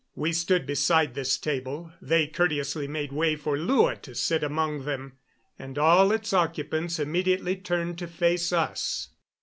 We stood beside this table they courteously made way for Lua to sit among them and all its occupants immediately turned to face us.